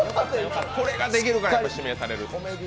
これができるから、やっぱ指名される。